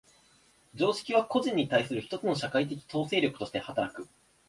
常識は個人に対する一つの社会的統制力として働く。